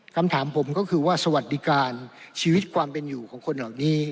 คำถามผมก็คือว่าสวัสดิการชีวิตความเป็นอยู่ของคนเหล่านี้